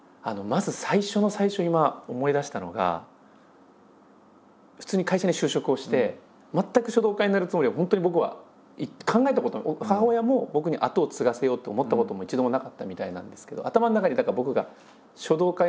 まず最初の最初今思い出したのが普通に会社に就職をして全く書道家になるつもりは本当に僕は考えたことも母親も僕に跡を継がせようと思ったことも一度もなかったみたいなんですけど。